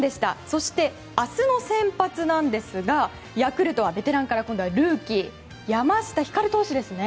そして、明日の先発なんですがヤクルトはベテランからルーキー山下輝投手ですね。